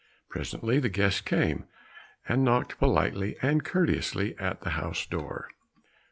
Presently the guest came, and knocked politely and courteously at the house door.